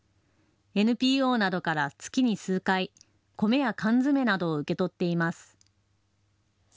ＮＰＯなどから月に数回、米や缶詰などを受け取っています。